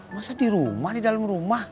masa di rumah di dalam rumah